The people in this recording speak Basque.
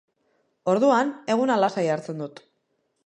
Orduan, eguna lasai hartzen dut.